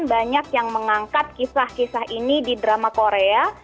banyak yang mengangkat kisah kisah ini di drama korea